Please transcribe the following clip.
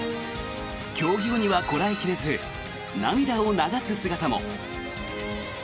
競技後にはこらえ切れず涙を流す姿も。